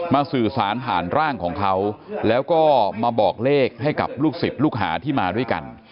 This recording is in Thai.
สื่อสารผ่านร่างของเขาแล้วก็มาบอกเลขให้กับลูกศิษย์ลูกหาที่มาด้วยกัน